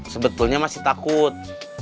sebetulnya masih takut